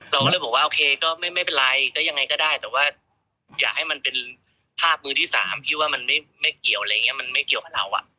เราก็เลยบอกว่าโอเคก็ไม่เป็นไรก็ยังไงก็ได้แต่ว่าอยากให้มันเป็นภาพมือที่สามพี่ว่ามันไม่เกี่ยวอะไรอย่างนี้มันไม่เกี่ยวกับเรา